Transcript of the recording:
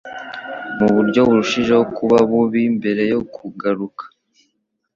mu buryo burushijeho kuba bubi, mbere yo kugaruka